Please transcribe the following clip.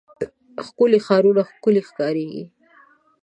ښکلي ښارونه ښکلي ښکاريږي.